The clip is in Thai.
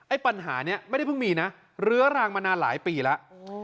ปัญหานี้ไม่ได้เพิ่งมีนะเรื้อรังมานานหลายปีแล้ว